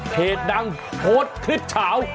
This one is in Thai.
เพจดังโพสต์คลิปเฉา